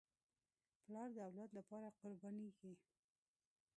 پلار د اولاد لپاره قربانېږي.